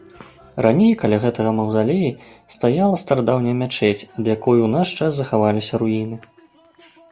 Раней каля гэтага маўзалеі стаяла старадаўняя мячэць, ад якой у наш час захаваліся руіны.